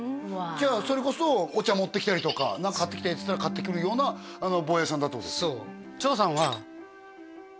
じゃあそれこそお茶持ってきたりとか「何か買ってきて」っつったら買ってくるようなボーヤさんだってことですか？